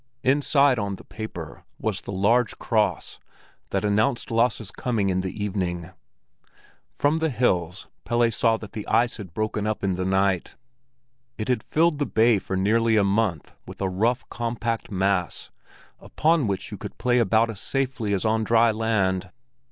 Inside on the paper, was the large cross that announced Lasse's coming in the evening. From the hills Pelle saw that the ice had broken up in the night. It had filled the bay for nearly a month with a rough, compact mass, upon which you could play about as safely as on dry land.